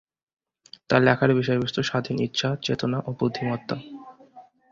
তার লেখার বিষয়বস্তু স্বাধীন ইচ্ছা, চেতনা ও বুদ্ধিমত্তা।